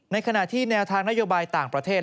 ในขณะที่แนวทางนโยบายต่างประเทศ